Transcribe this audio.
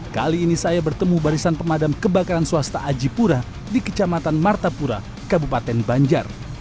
kali ini saya bertemu barisan pemadam kebakaran swasta ajipura di kecamatan martapura kabupaten banjar